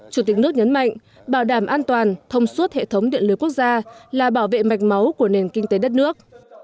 chủ tịch nước nhấn mạnh bảo đảm an toàn thông suốt hệ thống điện lưới quốc gia là bảo vệ mạch máu của nền kinh tế đất nước